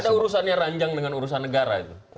ada urusannya ranjang dengan urusan negara